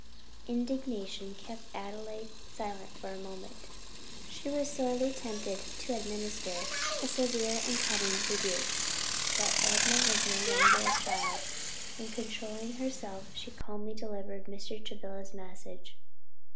Indignation kept Adelaide silent for a moment, she was sorely tempted to administer a severe and cutting rebuke. But Enna was no longer a child, and controlling herself she calmly delivered Mr. Travilla's message.